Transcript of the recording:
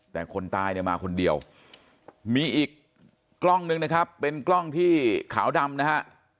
แต่คนตายเนี่ยมาคนเดียวมีอีกกล้องนึงนะครับเป็นกล้องที่ขาวดำนะฮะ